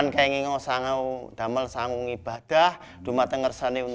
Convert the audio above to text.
kami ingin berdoa untuk berdoa untuk kemantan yang diperlukan